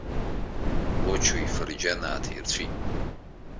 Бочо ифырџьан ааҭаирцәит.